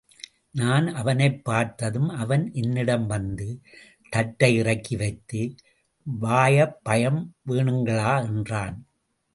நான் அவனைப் பார்த்ததும், அவன் என்னிடம் வந்து, தட்டை இறக்கி வைத்து— வாயப்பயம் வேணுங்களா என்றான்.